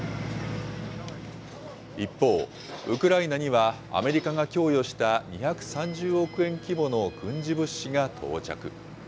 一方、ウクライナにはアメリカが供与した２３０億円規模の軍事物資が到着。